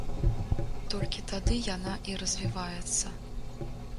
Толькі тады яна і развіваецца.